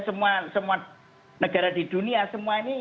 semua ini ya itu yang harus dilakukan